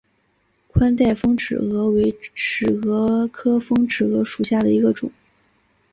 宽带峰尺蛾为尺蛾科峰尺蛾属下的一个种。